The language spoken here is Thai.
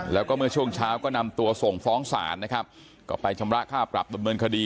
แล้วก็เมื่อช่วงเช้าก็นำตัวส่งฟ้องศาลนะครับก็ไปชำระค่าปรับดำเนินคดี